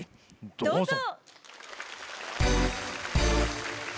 どうぞ。